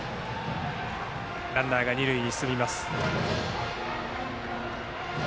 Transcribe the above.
ランナーは二塁に進みます。